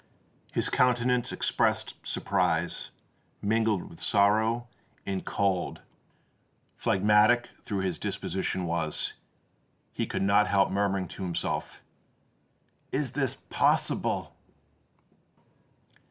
His countenance expressed surprise mingled with sorrow; and, cold—phlegmatic though his disposition was, he could not help murmuring to himself, "Is it possible?"